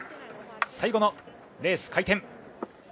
最後のレース、回転。